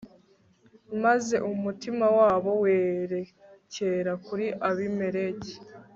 maze umutima wabo werekera kuri abimeleki